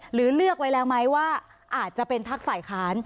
หรือเลือกไว้แล้วไหมว่าอาจจะเป็นพักฝ่ายค้าน